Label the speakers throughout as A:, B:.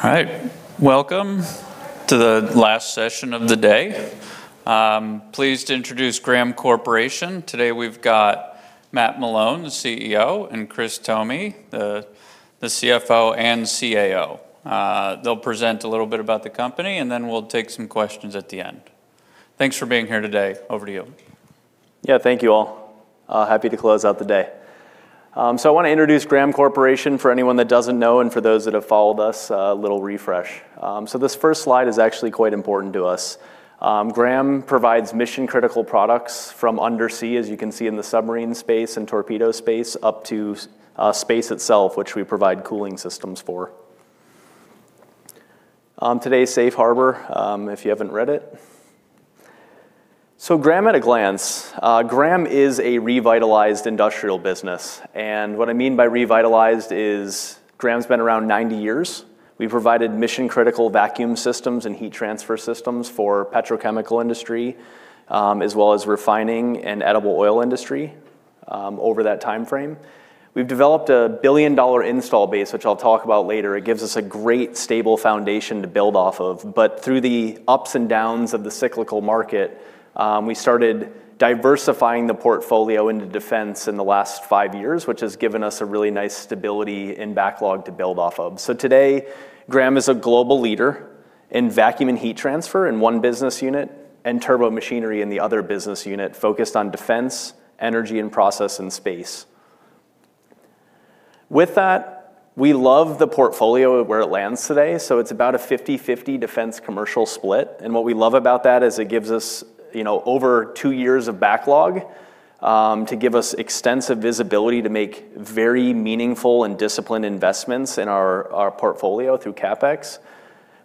A: All right. Welcome to the last session of the day. Pleased to introduce Graham Corporation. Today we've got Matt Malone, the CEO, and Chris Thome, the CFO and CAO. They'll present a little bit about the company, and then we'll take some questions at the end. Thanks for being here today. Or to you.
B: Yeah, thank you all. Happy to close out the day. I want to introduce Graham Corporation for anyone that doesn't know, and for those that have followed us, a little refresh. This first slide is actually quite important to us. Graham provides mission-critical products from undersea, as you can see in the submarine space and torpedo space, up to space itself, which we provide cooling systems for. Today's Safe Harbor, if you haven't read it. Graham at a glance, Graham is a revitalized industrial business, and what I mean by revitalized is Graham's been around 90 years. We've provided mission-critical vacuum systems and heat transfer systems for petrochemical industry, as well as refining and edible oil industry, over that timeframe. We've developed a billion-dollar installed base, which I'll talk about later. It gives us a great, stable foundation to build off of. But through the ups and downs of the cyclical market, we started diversifying the portfolio into defense in the last five years, which has given us a really nice stability and backlog to build off of. So today, Graham is a global leader in vacuum and heat transfer in one business unit and turbomachinery in the other business unit, focused on defense, energy and process, and space. With that, we love the portfolio where it lands today, so it's about a 50/50 defense commercial split. And what we love about that is it gives us, you know, over two years of backlog, to give us extensive visibility to make very meaningful and disciplined investments in our, our portfolio through CapEx.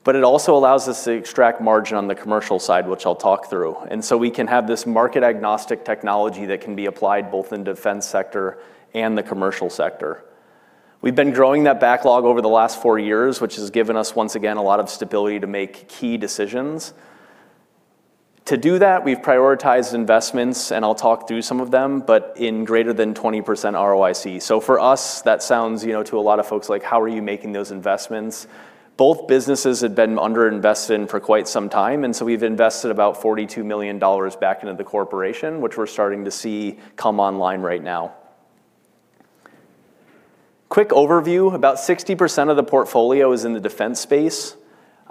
B: But it also allows us to extract margin on the commercial side, which I'll talk through. So we can have this market-agnostic technology that can be applied both in defense sector and the commercial sector. We've been growing that backlog over the last four years, which has given us, once again, a lot of stability to make key decisions. To do that, we've prioritized investments, and I'll talk through some of them, but in greater than 20% ROIC. So for us, that sounds, you know, to a lot of folks like, "How are you making those investments?" Both businesses had been underinvested in for quite some time, and so we've invested about $42 million back into the corporation, which we're starting to see come online right now. Quick overview, about 60% of the portfolio is in the defense space,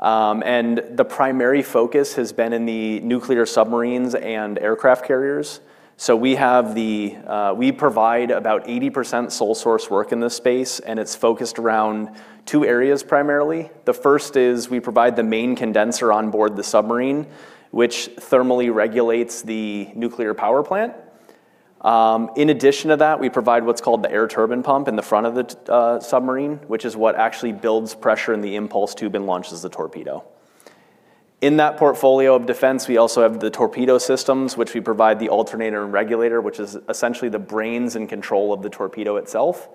B: and the primary focus has been in the nuclear submarines and aircraft carriers. So we have the, we provide about 80% sole source work in this space, and it's focused around two areas primarily. The first is we provide the main condenser on board the submarine, which thermally regulates the nuclear power plant. In addition to that, we provide what's called the air turbine pump in the front of the submarine, which is what actually builds pressure in the impulse tube and launches the torpedo. In that portfolio of defense, we also have the torpedo systems, which we provide the alternator and regulator, which is essentially the brains and control of the torpedo itself.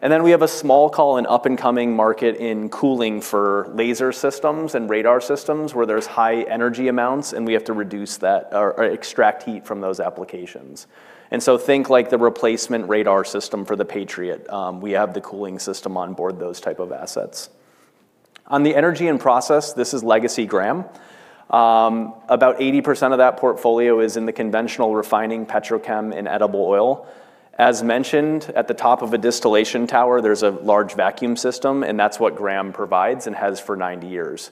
B: And then we have a small call in up-and-coming market in cooling for laser systems and radar systems, where there's high energy amounts, and we have to reduce that, or extract heat from those applications. Think like the replacement radar system for the Patriot. We have the cooling system on board those type of assets. On the energy and process, this is Legacy Graham. About 80% of that portfolio is in the conventional refining, petrochem, and edible oil. As mentioned, at the top of a distillation tower, there's a large vacuum system, and that's what Graham provides and has for 90 years.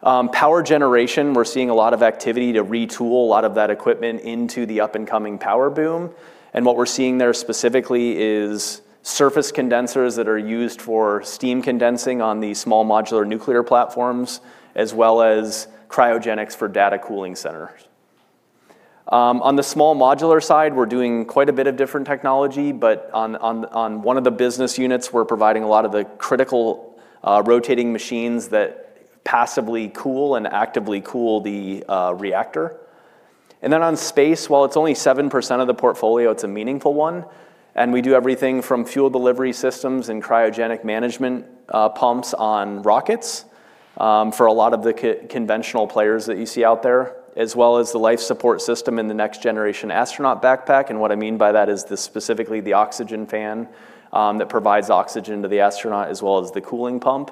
B: Power generation, we're seeing a lot of activity to retool a lot of that equipment into the up-and-coming power boom, and what we're seeing there specifically is surface condensers that are used for steam condensing on the small modular nuclear platforms, as well as cryogenics for data cooling centers. On the small modular side, we're doing quite a bit of different technology, but on one of the business units, we're providing a lot of the critical rotating machines that passively cool and actively cool the reactor. And then on space, while it's only 7% of the portfolio, it's a meaningful one, and we do everything from fuel delivery systems and cryogenic management pumps on rockets for a lot of the conventional players that you see out there, as well as the life support system in the next generation astronaut backpack. And what I mean by that is specifically the oxygen fan that provides oxygen to the astronaut, as well as the cooling pump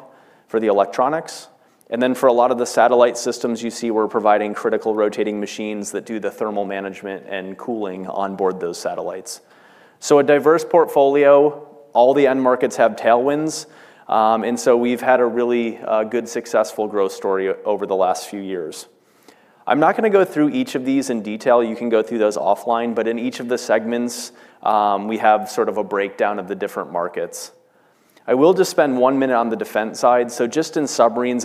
B: for the electronics. And then for a lot of the satellite systems you see, we're providing critical rotating machines that do the thermal management and cooling on board those satellites. So a diverse portfolio, all the end markets have tailwinds, and so we've had a really good, successful growth story over the last few years. I'm not gonna go through each of these in detail. You can go through those offline, but in each of the segments, we have sort of a breakdown of the different markets. I will just spend one minute on the defense side. So just in submarines,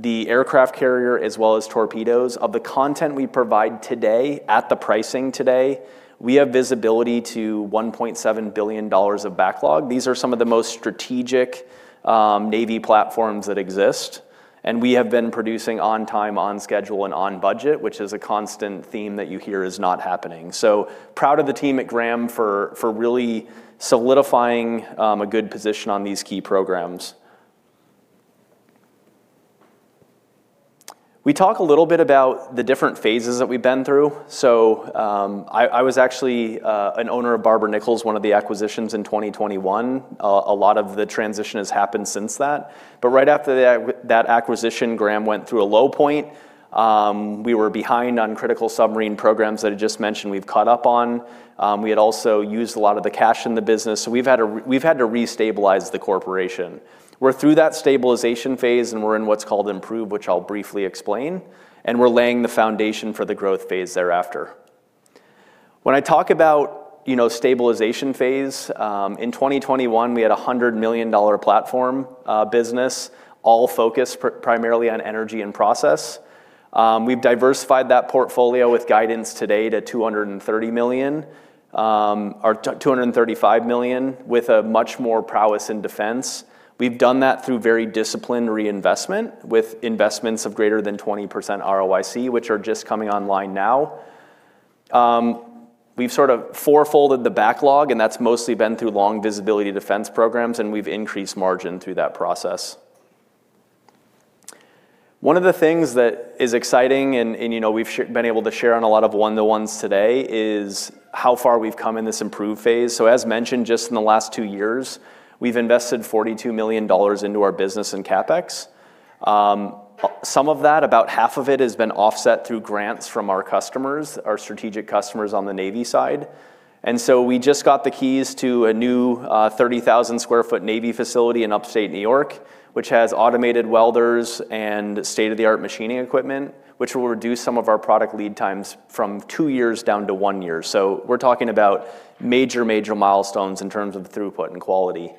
B: the aircraft carrier, as well as torpedoes, of the content we provide today, at the pricing today, we have visibility to $1.7 billion of backlog. These are some of the most strategic, Navy platforms that exist, and we have been producing on time, on schedule, and on budget, which is a constant theme that you hear is not happening. So proud of the team at Graham for really solidifying a good position on these key programs. We talk a little bit about the different phases that we've been through. So, I was actually an owner of Barber-Nichols, one of the acquisitions in 2021. A lot of the transition has happened since that. But right after that acquisition, Graham went through a low point. We were behind on critical submarine programs that I just mentioned we've caught up on. We had also used a lot of the cash in the business, so we've had to restabilize the corporation. We're through that stabilization phase, and we're in what's called improve, which I'll briefly explain. And we're laying the foundation for the growth phase thereafter. When I talk about, you know, stabilization phase, in 2021, we had a $100 million platform business, all focused primarily on energy and process. We've diversified that portfolio with guidance today to $230 million or $235 million, with a much more prowess in defense. We've done that through very disciplined reinvestment, with investments of greater than 20% ROIC, which are just coming online now. We've sort of fourfolded the backlog, and that's mostly been through long visibility defense programs, and we've increased margin through that process. One of the things that is exciting and, you know, we've been able to share on a lot of one-to-ones today, is how far we've come in this improve phase. So as mentioned, just in the last two years, we've invested $42 million into our business in CapEx. Some of that, about half of it, has been offset through grants from our customers, our strategic customers on the Navy side. And so we just got the keys to a new, 30,000 sq ft Navy facility in upstate New York, which has automated welders and state-of-the-art machining equipment, which will reduce some of our product lead times from two years down to one year. So we're talking about major, major milestones in terms of the throughput and quality.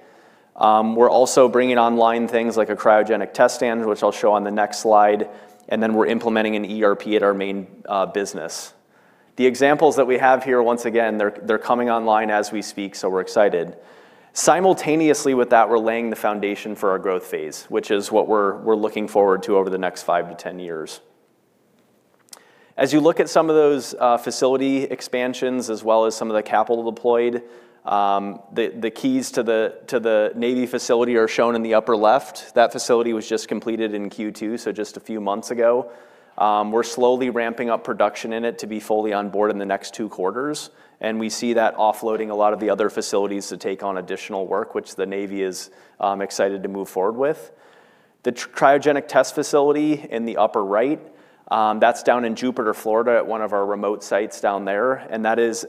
B: We're also bringing online things like a cryogenic test stand, which I'll show on the next slide, and then we're implementing an ERP at our main business. The examples that we have here, once again, they're coming online as we speak, so we're excited. Simultaneously with that, we're laying the foundation for our growth phase, which is what we're looking forward to over the next 5-10 years. As you look at some of those facility expansions, as well as some of the capital deployed, the keys to the Navy facility are shown in the upper left. That facility was just completed in Q2, so just a few months ago. We're slowly ramping up production in it to be fully on board in the next two quarters, and we see that offloading a lot of the other facilities to take on additional work, which the Navy is excited to move forward with. The cryogenic test facility in the upper right, that's down in Jupiter, Florida, at one of our remote sites down there, and that is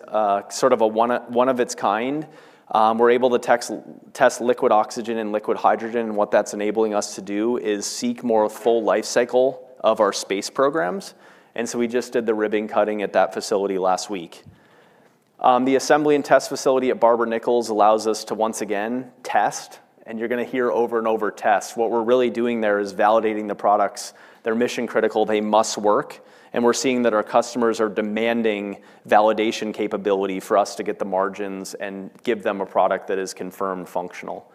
B: sort of one of a kind. We're able to test liquid oxygen and liquid hydrogen, and what that's enabling us to do is seek more full life cycle of our space programs. And so we just did the ribbon cutting at that facility last week. The assembly and test facility at Barber-Nichols allows us to once again test, and you're gonna hear over and over, test. What we're really doing there is validating the products. They're mission critical, they must work, and we're seeing that our customers are demanding validation capability for us to get the margins and give them a product that is confirmed functional.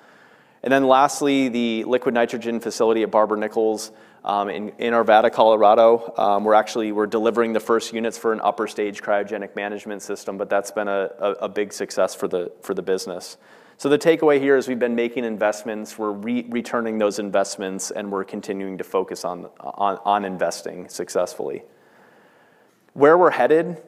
B: And then lastly, the liquid nitrogen facility at Barber-Nichols in Arvada, Colorado. We're actually delivering the first units for an upper stage cryogenic management system, but that's been a big success for the business. So the takeaway here is we've been making investments, we're returning those investments, and we're continuing to focus on investing successfully. Where we're headed?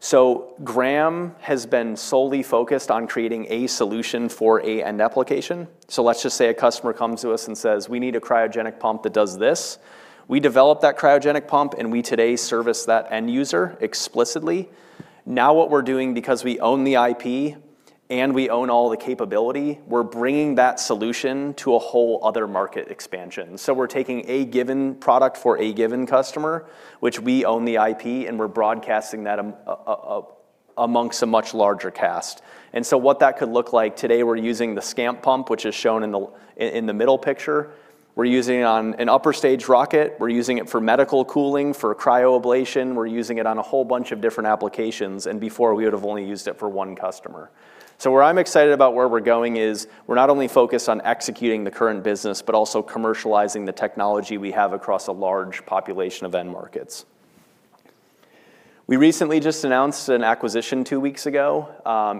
B: So Graham has been solely focused on creating a solution for an end application. So let's just say a customer comes to us and says: "We need a cryogenic pump that does this." We develop that cryogenic pump, and we today service that end user explicitly. Now, what we're doing, because we own the IP and we own all the capability, we're bringing that solution to a whole other market expansion. So we're taking a given product for a given customer, which we own the IP, and we're broadcasting that amongst a much larger cast. And so what that could look like, today, we're using the SCAMP pump, which is shown in the middle picture. We're using it on an upper stage rocket, we're using it for medical cooling, for cryoablation, we're using it on a whole bunch of different applications, and before, we would have only used it for one customer. So where I'm excited about where we're going is, we're not only focused on executing the current business, but also commercializing the technology we have across a large population of end markets. We recently just announced an acquisition two weeks ago,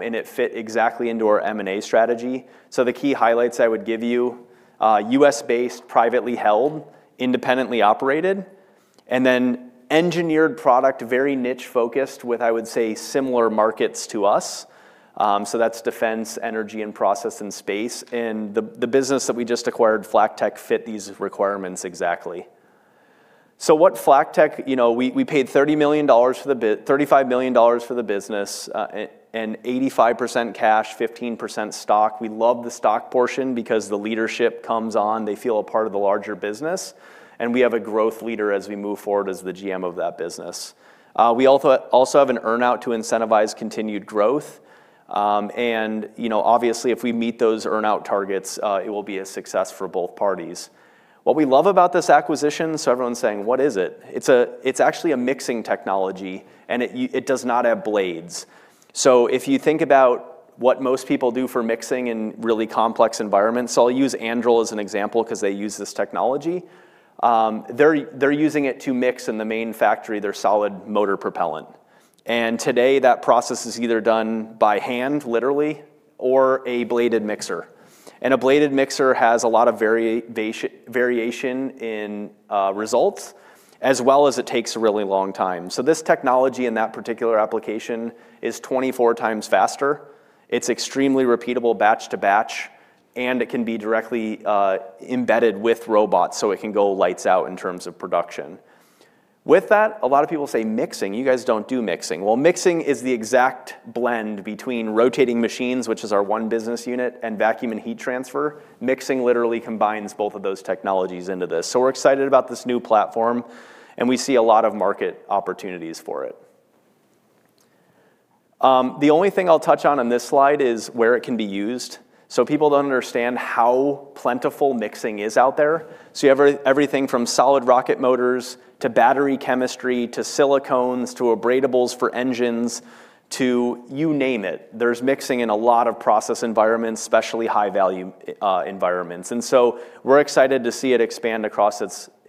B: and it fit exactly into our M&A strategy. So the key highlights I would give you, U.S.-based, privately held, independently operated, and then engineered product, very niche focused, with, I would say, similar markets to us. So that's defense, energy, and process and space. And the business that we just acquired, FlackTek, fit these requirements exactly. So what FlackTek... You know, we paid $35 million for the business, and 85% cash, 15% stock. We love the stock portion because the leadership comes on, they feel a part of the larger business, and we have a growth leader as we move forward as the GM of that business. We also have an earnout to incentivize continued growth. You know, obviously, if we meet those earnout targets, it will be a success for both parties. What we love about this acquisition, so everyone's saying, "What is it?" It's actually a mixing technology, and it does not have blades. So if you think about what most people do for mixing in really complex environments, so I'll use Anduril as an example, 'cause they use this technology, they're using it to mix in the main factory, their solid motor propellant. And today, that process is either done by hand, literally, or a bladed mixer. A bladed mixer has a lot of variation in results, as well as it takes a really long time. So this technology in that particular application is 24 times faster, it's extremely repeatable batch to batch, and it can be directly embedded with robots, so it can go lights out in terms of production. With that, a lot of people say, "Mixing? You guys don't do mixing." Well, mixing is the exact blend between rotating machines, which is our one business unit, and vacuum and heat transfer. Mixing literally combines both of those technologies into this. So we're excited about this new platform, and we see a lot of market opportunities for it. The only thing I'll touch on in this slide is where it can be used, so people don't understand how plentiful mixing is out there. So you have everything from solid rocket motors, to battery chemistry, to silicones, to abradables for engines, to you name it. There's mixing in a lot of process environments, especially high-value environments. And so we're excited to see it expand across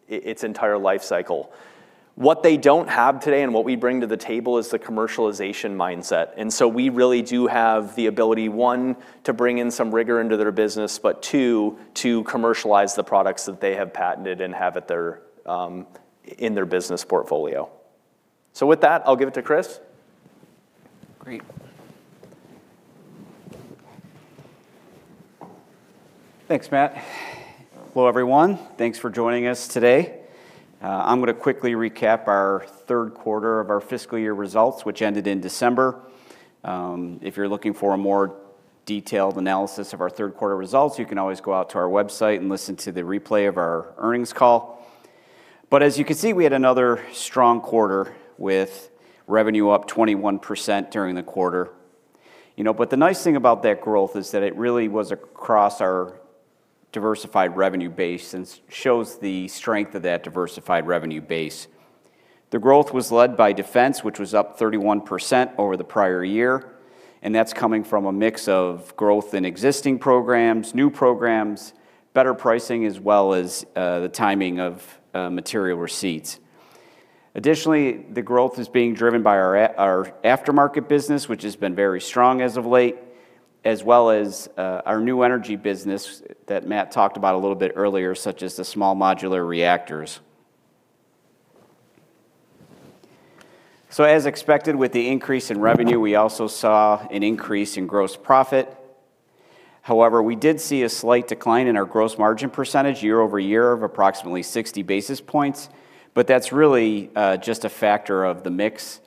B: its entire life cycle. What they don't have today, and what we bring to the table, is the commercialization mindset. And so we really do have the ability, one, to bring in some rigor into their business, but two, to commercialize the products that they have patented and have in their business portfolio. So with that, I'll give it to Chris.
C: Great. Thanks, Matt. Hello, everyone. Thanks for joining us today. I'm gonna quickly recap our third quarter of our fiscal year results, which ended in December. If you're looking for a more detailed analysis of our third quarter results, you can always go out to our website and listen to the replay of our earnings call. But as you can see, we had another strong quarter, with revenue up 21% during the quarter. You know, but the nice thing about that growth is that it really was across our diversified revenue base, and shows the strength of that diversified revenue base. The growth was led by defense, which was up 31% over the prior year, and that's coming from a mix of growth in existing programs, new programs, better pricing, as well as the timing of material receipts. Additionally, the growth is being driven by our our aftermarket business, which has been very strong as of late, as well as, our new energy business that Matt talked about a little bit earlier, such as the small modular reactors. So as expected, with the increase in revenue, we also saw an increase in gross profit. However, we did see a slight decline in our gross margin percentage, year-over-year, of approximately 60 basis points, but that's really just a factor of the mix.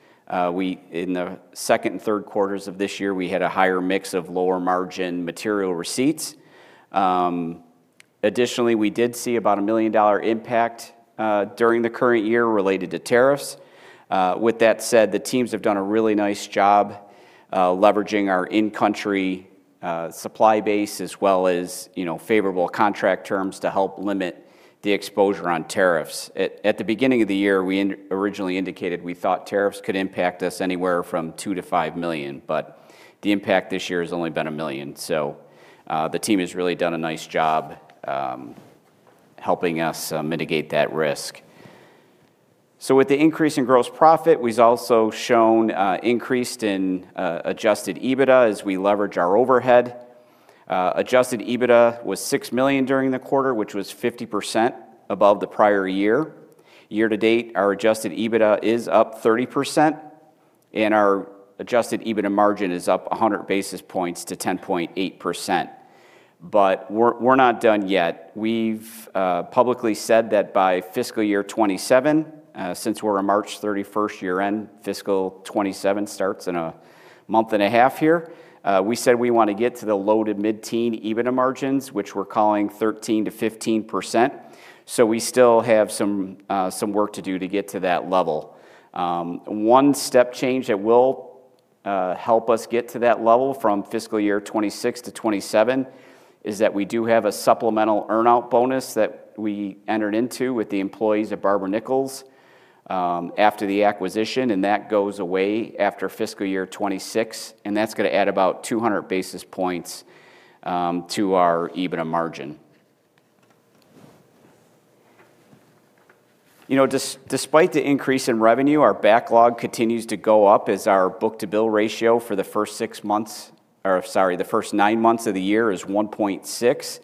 C: We, in the second and third quarters of this year, we had a higher mix of lower margin material receipts. Additionally, we did see about a $1 million impact during the current year related to tariffs. With that said, the teams have done a really nice job leveraging our in-country supply base, as well as, you know, favorable contract terms to help limit the exposure on tariffs. At the beginning of the year, we originally indicated we thought tariffs could impact us anywhere from $2 million-$5 million, but the impact this year has only been $1 million. So, the team has really done a nice job helping us mitigate that risk. So with the increase in gross profit, we've also shown increased in Adjusted EBITDA as we leverage our overhead. Adjusted EBITDA was $6 million during the quarter, which was 50% above the prior year. Year to date, our Adjusted EBITDA is up 30%, and our Adjusted EBITDA margin is up 100 basis points to 10.8%. But we're not done yet. We've publicly said that by fiscal year 2027, since we're a March 31 year-end, fiscal 2027 starts in a month and a half here, we said we want to get to the low- to mid-teen EBITDA margins, which we're calling 13%-15%, so we still have some work to do to get to that level. One step change that will help us get to that level from fiscal year 2026 to 2027, is that we do have a supplemental earn-out bonus that we entered into with the employees at Barber-Nichols, after the acquisition, and that goes away after fiscal year 2026, and that's gonna add about 200 basis points to our EBITDA margin. You know, despite the increase in revenue, our backlog continues to go up as our book-to-bill ratio for the first six months, or sorry, the first nine months of the year, is 1.6,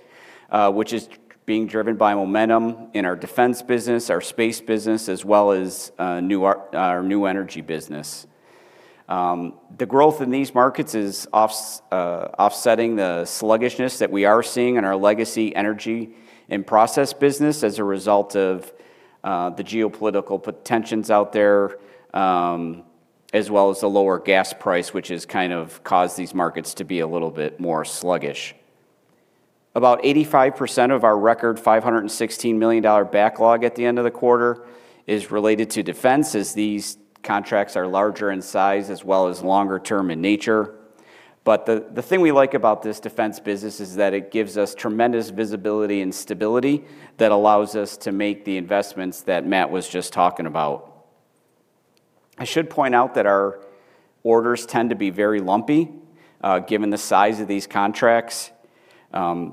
C: which is being driven by momentum in our defense business, our space business, as well as our new energy business. The growth in these markets is offsetting the sluggishness that we are seeing in our legacy energy and process business as a result of the geopolitical tensions out there, as well as the lower gas price, which has kind of caused these markets to be a little bit more sluggish. About 85% of our record $516 million-dollar backlog at the end of the quarter is related to defense, as these contracts are larger in size as well as longer-term in nature. But the thing we like about this defense business is that it gives us tremendous visibility and stability that allows us to make the investments that Matt was just talking about. I should point out that our orders tend to be very lumpy, given the size of these contracts....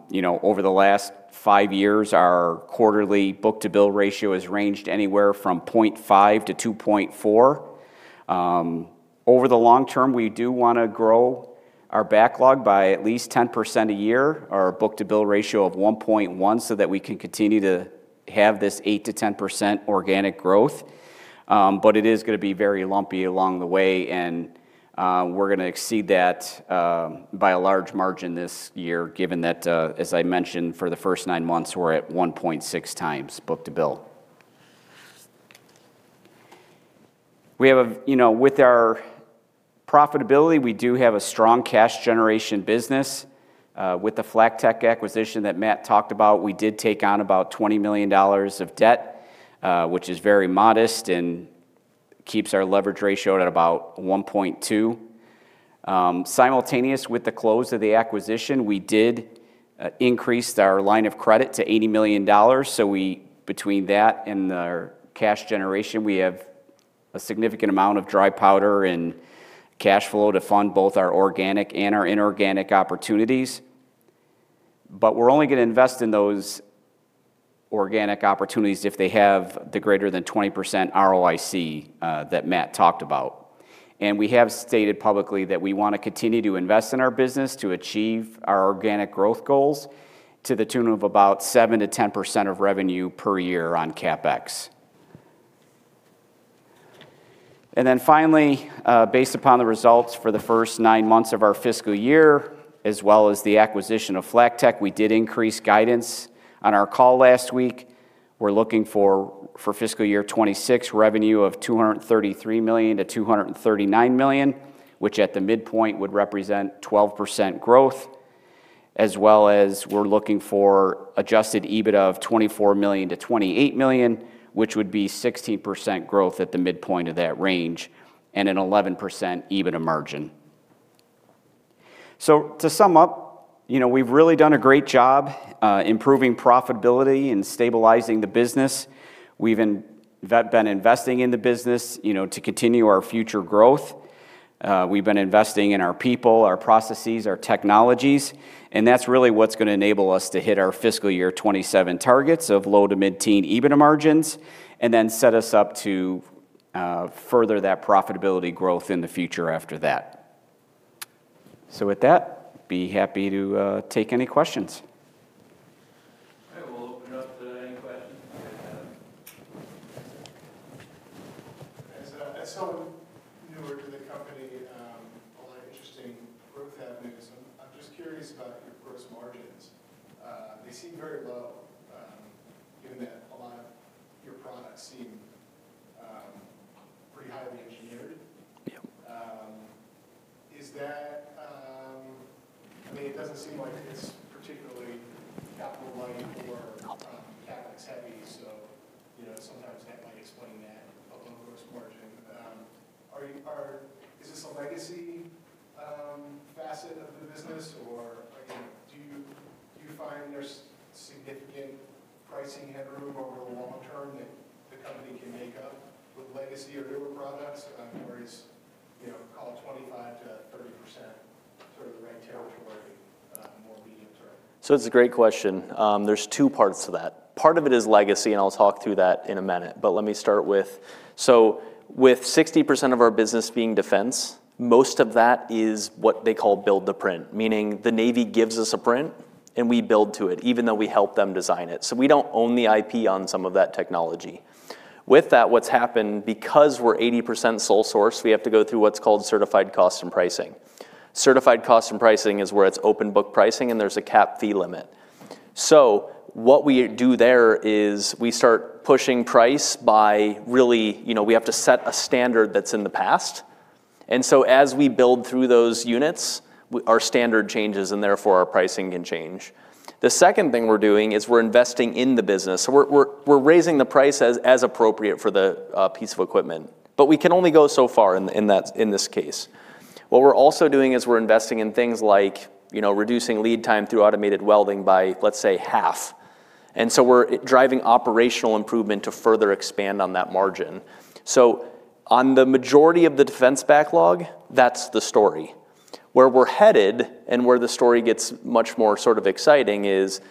C: you know, over the last five years, our quarterly book-to-bill ratio has ranged anywhere from 0.5 to 2.4. Over the long term, we do want to grow our backlog by at least 10% a year, our book-to-bill ratio of 1.1, so that we can continue to have this 8%-10% organic growth. But it is going to be very lumpy along the way, and we're going to exceed that by a large margin this year, given that, as I mentioned, for the first nine months, we're at 1.6 times book-to-bill. We have, you know, with our profitability, we do have a strong cash generation business. With the FlackTek acquisition that Matt talked about, we did take on about $20 million of debt, which is very modest and keeps our leverage ratio at about 1.2. Simultaneous with the close of the acquisition, we did increase our line of credit to $80 million. So we, between that and our cash generation, we have a significant amount of dry powder and cash flow to fund both our organic and our inorganic opportunities. But we're only going to invest in those organic opportunities if they have the greater than 20% ROIC that Matt talked about. And we have stated publicly that we want to continue to invest in our business to achieve our organic growth goals, to the tune of about 7%-10% of revenue per year on CapEx. And then finally, based upon the results for the first nine months of our fiscal year, as well as the acquisition of FlackTek, we did increase guidance on our call last week. We're looking for, for fiscal year 2026, revenue of $233 million-$239 million, which at the midpoint would represent 12% growth, as well as we're looking for adjusted EBIT of $24 million-$28 million, which would be 16% growth at the midpoint of that range and an 11% EBITDA margin. So to sum up, you know, we've really done a great job, improving profitability and stabilizing the business. We've been investing in the business, you know, to continue our future growth. We've been investing in our people, our processes, our technologies, and that's really what's going to enable us to hit our fiscal year 2027 targets of low- to mid-teen EBITDA margins and then set us up to further that profitability growth in the future after that. With that, be happy to take any questions.
A: I will open up to any questions you have.
D: As someone newer to the company, a lot of interesting growth avenues. I'm just curious about your gross margins. They seem very low, given that a lot of your products seem pretty highly engineered.
B: Yeah.
D: Is that, I mean, it doesn't seem like it's particularly capital light-
B: I'll take it....
D: or CapEx heavy, so, you know, sometimes that might explain that a little gross margin. Are you, are- is this a legacy facet of the business, or, again, do you, do you find there's significant pricing headroom over the long term that the company can make up with legacy or newer products? Or is, you know, call it 25%-30% sort of the right territory, more medium term?
B: So it's a great question. There's two parts to that. Part of it is legacy, and I'll talk through that in a minute, but let me start with... So with 60% of our business being defense, most of that is what they call build-to-print, meaning the Navy gives us a print, and we build to it, even though we help them design it. So we don't own the IP on some of that technology. With that, what's happened, because we're 80% sole source, we have to go through what's called Certified Cost and Pricing. Certified Cost and Pricing is where it's open book pricing, and there's a cap fee limit. So what we do there is we start pushing price by really, you know, we have to set a standard that's in the past. And so as we build through those units, our standard changes, and therefore, our pricing can change. The second thing we're doing is we're investing in the business, so we're raising the price as appropriate for the piece of equipment. But we can only go so far in that, in this case. What we're also doing is we're investing in things like, you know, reducing lead time through automated welding by, let's say, half. And so we're driving operational improvement to further expand on that margin. So on the majority of the defense backlog, that's the story. Where we're headed and where the story gets much more sort of exciting is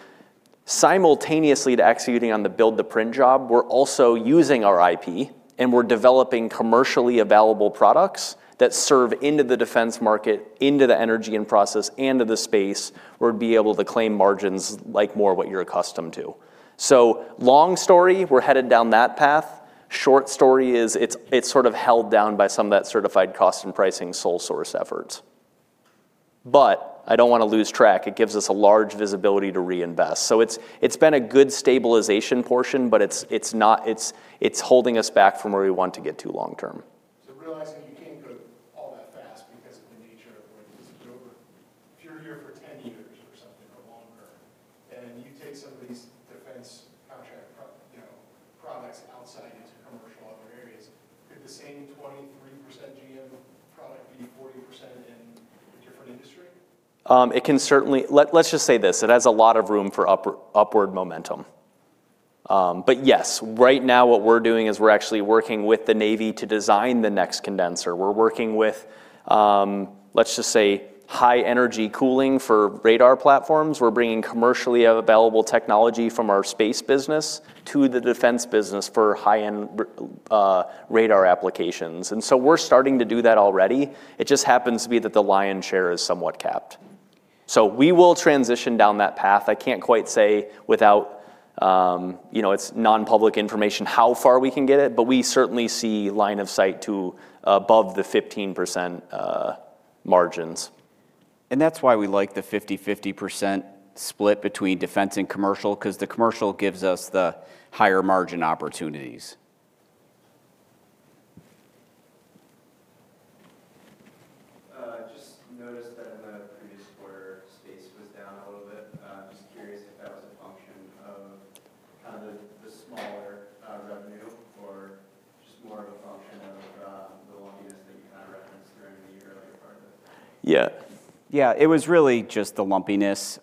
B: simultaneously to executing on the build-to-print job, we're also using our IP, and we're developing commercially available products that serve into the defense market, into the energy and process, into the space, where we'd be able to claim margins like more what you're accustomed to. So long story, we're headed down that path. Short story is it's, it's sort of held down by some of that Certified Cost and Pricing sole source efforts. But I don't want to lose track. It gives us a large visibility to reinvest. So it's, it's been a good stabilization portion, but it's, it's not... It's, it's holding us back from where we want to get to long term.
D: So realizing you can't grow all that fast because of the nature of what this is over, if you're here for 10 years or something or longer, and you take some of these defense contract products outside into commercial other areas, could the same 23% GM product be 40% in a different industry?
B: It can certainly. Let's just say this: It has a lot of room for upper, upward momentum.... But yes, right now what we're doing is we're actually working with the Navy to design the next condenser. We're working with, let's just say, high-energy cooling for radar platforms. We're bringing commercially available technology from our space business to the defense business for high-end radar applications. And so we're starting to do that already. It just happens to be that the lion's share is somewhat capped. So we will transition down that path. I can't quite say without, you know, it's non-public information, how far we can get it, but we certainly see line of sight to above the 15% margins.
C: That's why we like the 50/50% split between defense and commercial, 'cause the commercial gives us the higher margin opportunities.
E: Just noticed that in the previous quarter, space was down a little bit. Just curious if that was a function of kind of the smaller revenue, or just more of a function of the lumpiness that you kind of referenced during the earlier part of it?
C: Yeah. Yeah, it was really just the lumpiness.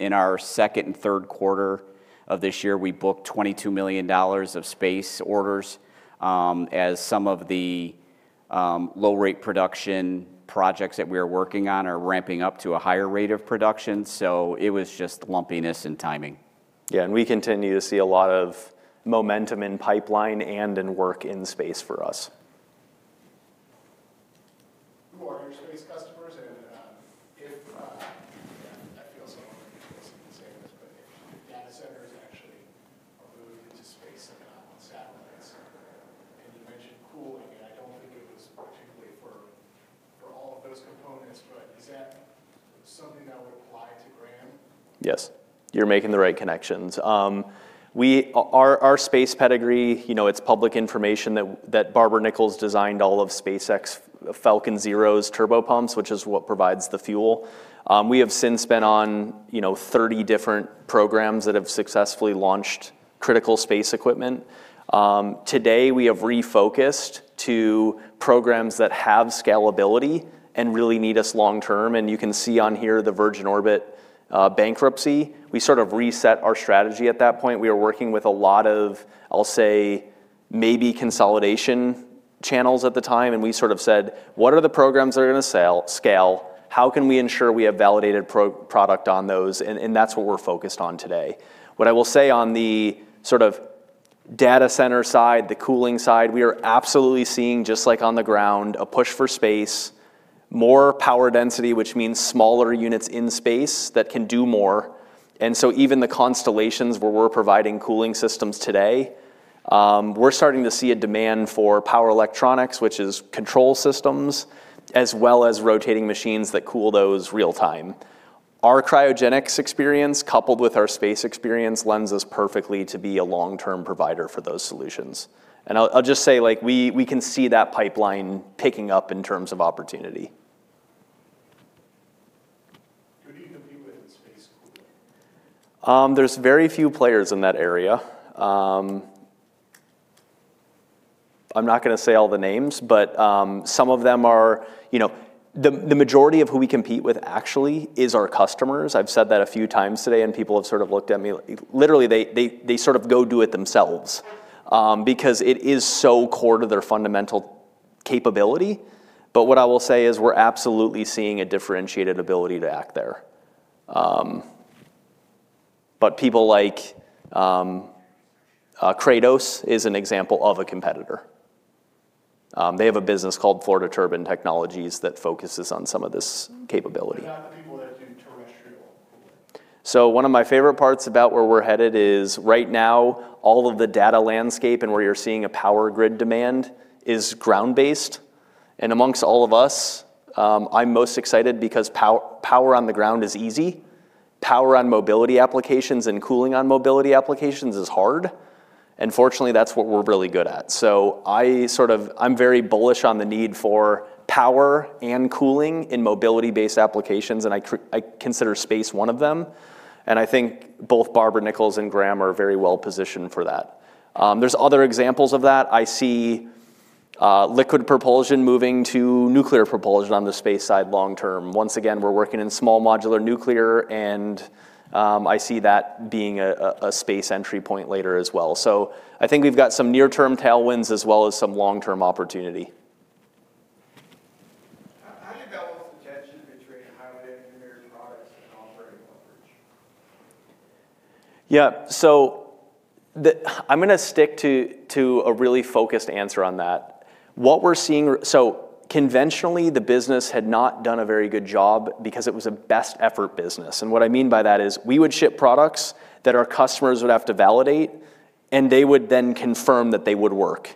C: In our second and third quarter of this year, we booked $22 million of space orders, as some of the low-rate production projects that we are working on are ramping up to a higher rate of production. So it was just lumpiness and timing.
B: Yeah, and we continue to see a lot of momentum in pipeline and in work in space for us.
E: Who are your space customers, and, if, I feel so ridiculous even saying this, but data centers actually are moving into space, like on satellites. And you mentioned cooling, and I don't think it was particularly for all of those components, but is that something that would apply to Graham?
B: Yes, you're making the right connections. Our space pedigree, you know, it's public information that Barber-Nichols designed all of SpaceX Falcon 9's turbopumps, which is what provides the fuel. We have since been on, you know, 30 different programs that have successfully launched critical space equipment. Today, we have refocused to programs that have scalability and really need us long term, and you can see on here the Virgin Orbit bankruptcy. We sort of reset our strategy at that point. We were working with a lot of, I'll say, maybe consolidation channels at the time, and we sort of said: "What are the programs that are gonna scale? How can we ensure we have validated product on those?" That's what we're focused on today. What I will say on the sort of data center side, the cooling side, we are absolutely seeing, just like on the ground, a push for space, more power density, which means smaller units in space that can do more. And so even the constellations where we're providing cooling systems today, we're starting to see a demand for power electronics, which is control systems, as well as rotating machines that cool those real time. Our cryogenics experience, coupled with our space experience, lends us perfectly to be a long-term provider for those solutions. And I'll just say, like, we can see that pipeline picking up in terms of opportunity.
E: Who do you compete with in space cooling?
B: There's very few players in that area. I'm not gonna say all the names, but, some of them are... You know, the, the majority of who we compete with actually is our customers. I've said that a few times today, and people have sort of looked at me. Literally, they, they, they sort of go do it themselves, because it is so core to their fundamental capability. But what I will say is we're absolutely seeing a differentiated ability to act there. But people like, Kratos is an example of a competitor. They have a business called Florida Turbine Technologies that focuses on some of this capability.
E: They're not the people that do terrestrial?
B: So one of my favorite parts about where we're headed is right now, all of the data landscape and where you're seeing a power grid demand is ground-based. And amongst all of us, I'm most excited because power on the ground is easy. Power on mobility applications and cooling on mobility applications is hard, and fortunately, that's what we're really good at. So I'm very bullish on the need for power and cooling in mobility-based applications, and I consider space one of them, and I think both Barber-Nichols and Graham are very well positioned for that. There's other examples of that. I see liquid propulsion moving to nuclear propulsion on the space side long term. Once again, we're working in small modular nuclear, and I see that being a space entry point later as well. I think we've got some near-term tailwinds as well as some long-term opportunity.
D: How do you balance the tension between highly engineered products and operating leverage?
B: Yeah. So I'm gonna stick to a really focused answer on that. What we're seeing. So conventionally, the business had not done a very good job because it was a best effort business. And what I mean by that is, we would ship products that our customers would have to validate, and they would then confirm that they would work.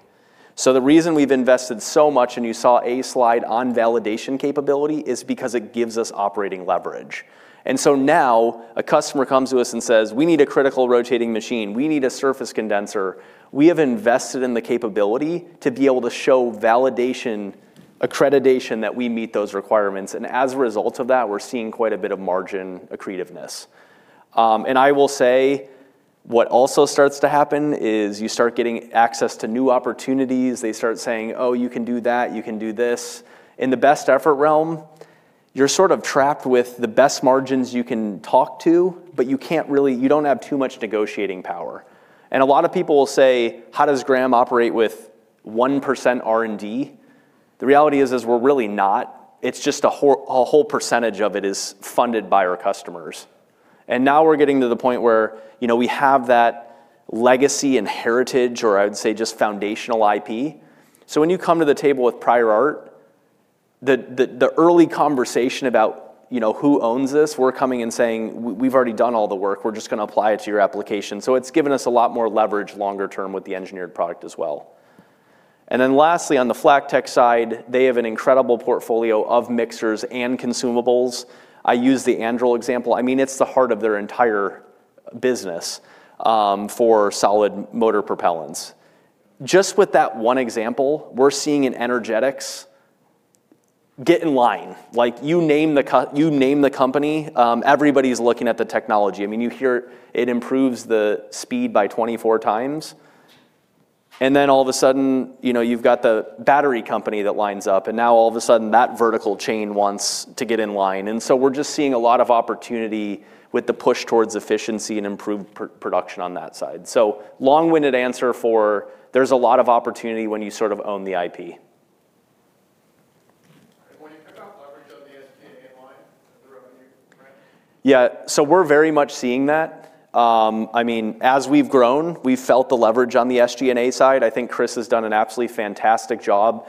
B: So the reason we've invested so much, and you saw a slide on validation capability, is because it gives us operating leverage. And so now, a customer comes to us and says: "We need a critical rotating machine. We need a surface condenser." We have invested in the capability to be able to show validation, accreditation that we meet those requirements, and as a result of that, we're seeing quite a bit of margin accretiveness. And I will say, what also starts to happen is you start getting access to new opportunities. They start saying, "Oh, you can do that, you can do this." In the best effort realm, you're sort of trapped with the best margins you can talk to, but you can't really. You don't have too much negotiating power. And a lot of people will say, "How does Graham operate with 1% R&D?" The reality is, we're really not. It's just a whole percentage of it is funded by our customers. And now we're getting to the point where, you know, we have that legacy and heritage, or I'd say just foundational IP. So when you come to the table with prior art, the early conversation about, you know, who owns this, we're coming and saying, "We've already done all the work. We're just gonna apply it to your application." So it's given us a lot more leverage longer term with the engineered product as well. And then lastly, on the FlackTek side, they have an incredible portfolio of mixers and consumables. I use the Anduril example. I mean, it's the heart of their entire business, for solid motor propellants. Just with that one example, we're seeing an energetics get in line. Like, you name the company, everybody's looking at the technology. I mean, you hear it improves the speed by 24 times, and then all of a sudden, you know, you've got the battery company that lines up, and now all of a sudden, that vertical chain wants to get in line. And so we're just seeing a lot of opportunity with the push towards efficiency and improved production on that side. Long-winded answer: there's a lot of opportunity when you sort of own the IP.
D: When you talk about leverage on the SG&A line, the revenue, right?
B: Yeah. So we're very much seeing that. I mean, as we've grown, we've felt the leverage on the SG&A side. I think Chris has done an absolutely fantastic job.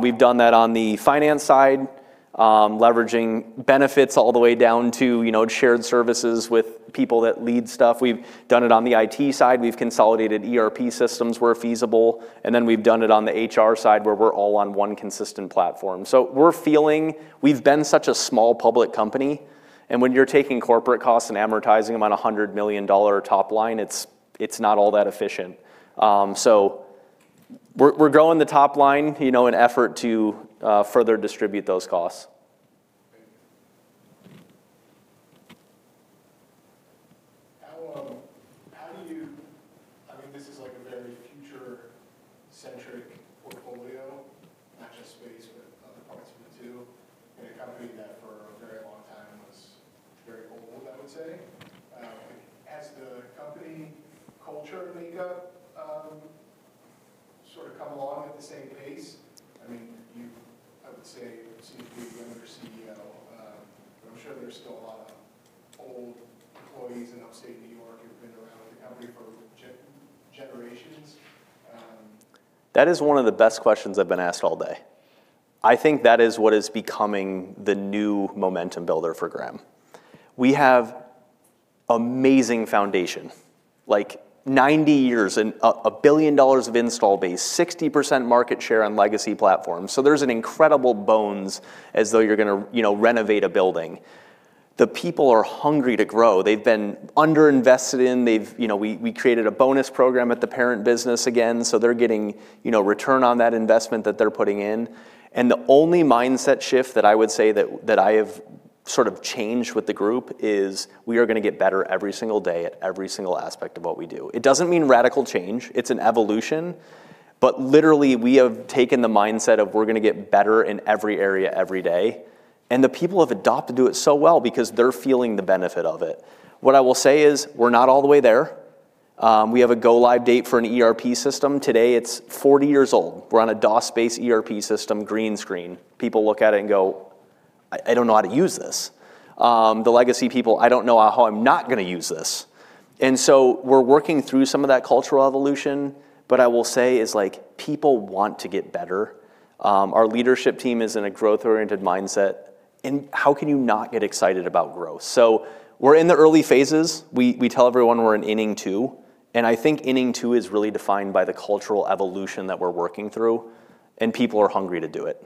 B: We've done that on the finance side, leveraging benefits all the way down to, you know, shared services with people that lead stuff. We've done it on the IT side. We've consolidated ERP systems where feasible, and then we've done it on the HR side, where we're all on one consistent platform. So we're feeling... We've been such a small public company, and when you're taking corporate costs and amortizing them on a $100 million top line, it's not all that efficient. So we're growing the top line, you know, in effort to further distribute those costs.
D: Thank you. How, how do you—I mean, this is like a very future-centric portfolio, not just space, but other parts of it, too, in a company that for a very long time was very old, I would say. Has the company culture makeup sort of come along at the same pace? I mean, you, I would say, seem to be a younger CEO, but I'm sure there's still a lot of old employees in upstate New York who've been around the company for generations.
B: That is one of the best questions I've been asked all day. I think that is what is becoming the new momentum builder for Graham. We have amazing foundation, like 90 years and a $1 billion install base, 60% market share on legacy platforms. So there's an incredible bones, as though you're gonna, you know, renovate a building. The people are hungry to grow. They've been under-invested in. You know, we created a bonus program at the parent business again, so they're getting, you know, return on that investment that they're putting in. And the only mindset shift that I would say that I have sort of changed with the group is, we are gonna get better every single day at every single aspect of what we do. It doesn't mean radical change, it's an evolution, but literally, we have taken the mindset of we're gonna get better in every area, every day. And the people have adopted to it so well because they're feeling the benefit of it. What I will say is, we're not all the way there. We have a go-live date for an ERP system. Today, it's 40 years old. We're on a DOS-based ERP system, green screen. People look at it and go, "I, I don't know how to use this." The legacy people: "I don't know how I'm not gonna use this." And so we're working through some of that cultural evolution, but I will say is, like, people want to get better. Our leadership team is in a growth-oriented mindset, and how can you not get excited about growth? So we're in the early phases. We tell everyone we're in inning two, and I think inning two is really defined by the cultural evolution that we're working through, and people are hungry to do it.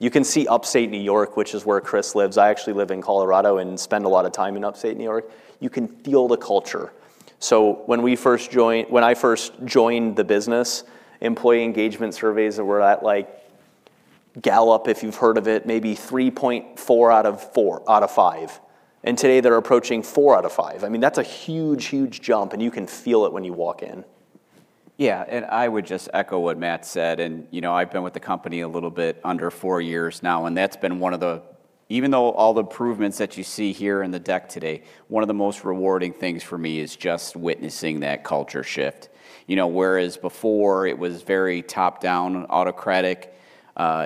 B: You can see Upstate New York, which is where Chris lives. I actually live in Colorado and spend a lot of time in Upstate New York. You can feel the culture. So when I first joined the business, employee engagement surveys were at, like, Gallup, if you've heard of it, maybe 3.4 out of 5, and today they're approaching 4 out of 5. I mean, that's a huge, huge jump, and you can feel it when you walk in.
C: Yeah, and I would just echo what Matt said. And, you know, I've been with the company a little bit under four years now, and that's been one of the... Even though all the improvements that you see here in the deck today, one of the most rewarding things for me is just witnessing that culture shift. You know, whereas before it was very top-down, autocratic,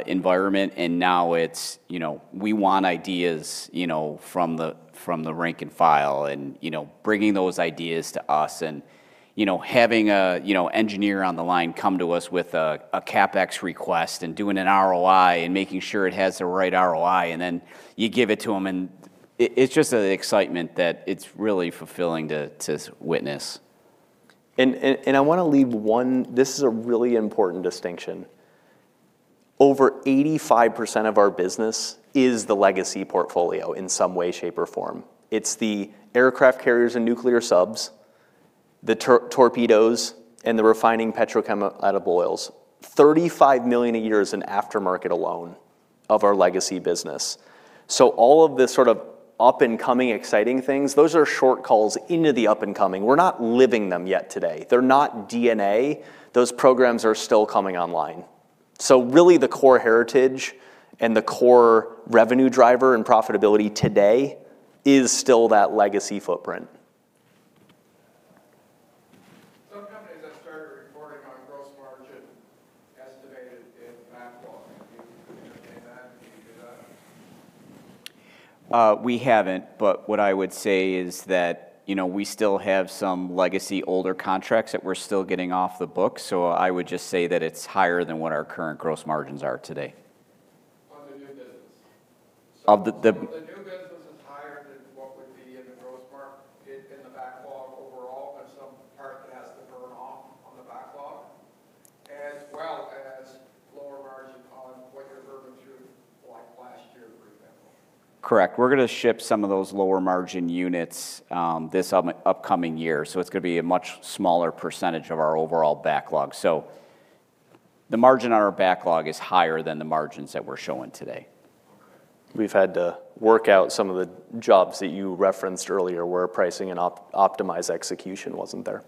C: environment, and now it's, you know, we want ideas, you know, from the, from the rank and file and, you know, bringing those ideas to us and, you know, having a, you know, engineer on the line come to us with a, a CapEx request and doing an ROI and making sure it has the right ROI, and then you give it to them, and it, it's just the excitement that it's really fulfilling to, to witness.
B: I wanna leave one... This is a really important distinction. Over 85% of our business is the legacy portfolio in some way, shape, or form. It's the aircraft carriers and nuclear subs, the torpedoes, and the refining petrochemical oils. $35 million a year is in aftermarket alone of our legacy business. So all of the sort of up-and-coming, exciting things, those are short calls into the up and coming. We're not living them yet today. They're not DNA. Those programs are still coming online. So really, the core heritage and the core revenue driver and profitability today is still that legacy footprint.
D: Some companies have started reporting on gross margin, estimated in backlog. Do you do that?
C: We haven't, but what I would say is that, you know, we still have some legacy, older contracts that we're still getting off the books, so I would just say that it's higher than what our current gross margins are today.
D: On the new business.
C: Of the, the-
D: So the new business is higher than what would be in the gross margin in the backlog overall, but some part of it has to burn off on the backlog, as well as lower margin on what you're burning through, like last year, for example.
C: Correct. We're gonna ship some of those lower-margin units this upcoming year, so it's gonna be a much smaller percentage of our overall backlog. The margin on our backlog is higher than the margins that we're showing today.
B: We've had to work out some of the jobs that you referenced earlier, where pricing and optimize execution wasn't there.